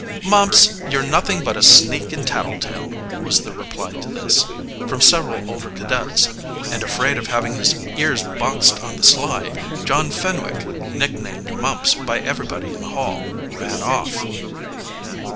"Mumps, you're nothing but a sneak and tattle tale," was the reply to this, from several older cadets; and, afraid of having his ears boxed on the sly, John Fenwick, nicknamed Mumps by everybody in the Hall, ran off.